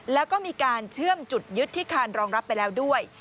แล้วก็มีการเชื่อมจุดยึดที่คานรองรับไปแล้วด้วย